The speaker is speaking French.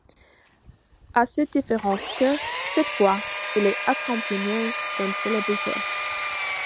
À cette différence que, cette fois, il est accompagné d'une célébrité.